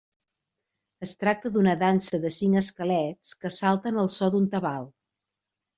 Es tracta d'una dansa de cinc esquelets que salten al so d'un tabal.